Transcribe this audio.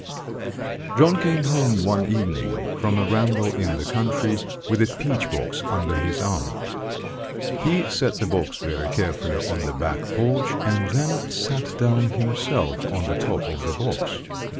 John came home one evening from a ramble in the country with a peach box under his arm. He set the box very carefully on the back porch and then sat down himself on the top of the box.